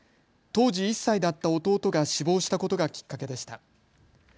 当時１歳だった弟が死亡したことがきっかけでした。